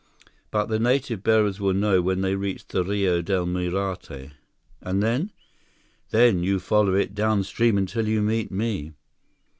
But the native bearers will know when they reach the Rio Del Muerte." "And then?" "Then you follow it downstream until you meet me."